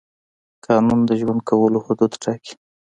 قانون د ژوند کولو حدود ټاکي.